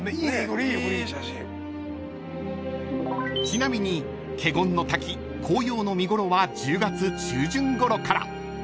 ［ちなみに華厳の滝紅葉の見頃は１０月中旬ごろから］